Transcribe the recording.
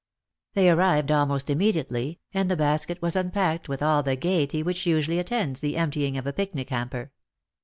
They arrived almost immediately, and the basket was unpacked with all the gaiety which usually attends «he emptying of a picnic hamper.